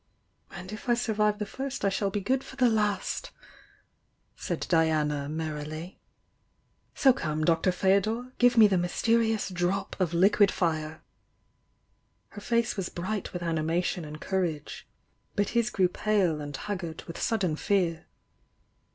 "And if I survive the first I shall be good for the last," said Diana, merrily. "So come. Doctor Fdo dor! — give me the mysterious 'drop' of liquid fire!" Her face was bright with animation and courage — but his grew pale and haggard with sudden fear.